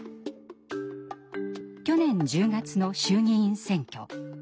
去年１０月の衆議院選挙。